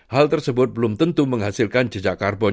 hal tersebut belum tentu menghasilkan jejak karbonnya